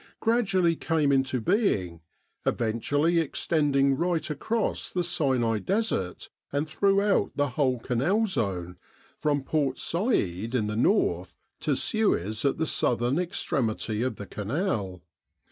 gradually came into being, eventually extending right across the Sinai Desert and throughout the whole Canal zone from Port Said in the north to Suez at the southern extremity of the Canal.